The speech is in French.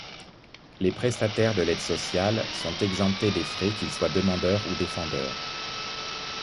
Les prestataires de l'aide sociale, sont exemptés des frais qu'ils soient demandeur ou défendeur.